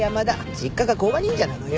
実家が甲賀忍者なのよ。